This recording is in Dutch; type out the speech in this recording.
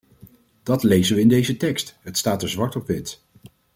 Dat lezen we in deze tekst - het staat er zwart op wit.